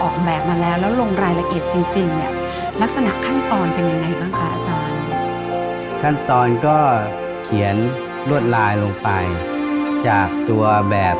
ขั้นสองก็เขียนรวดลายลงไปจากตัวแบบ